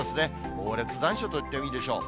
猛烈残暑と言っていいでしょう。